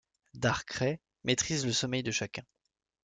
Darkrai maîtrise le sommeil de chacun.